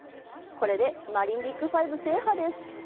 これでマリンビッグ５制覇です！